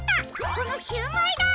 このシューマイだ！